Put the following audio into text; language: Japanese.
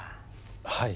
はい。